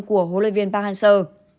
của huấn luyện viên park hansel